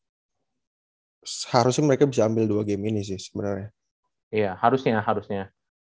harusnya sih harusnya mereka bisa ambil dua game ini sih sebenarnya